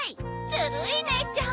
ずるい姉ちゃん。